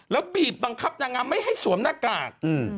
แล้วบีบบังคับนางงามไม่ให้สวมหน้ากาก